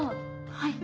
はい。